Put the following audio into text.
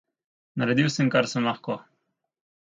Naredil sem, kar sem lahko.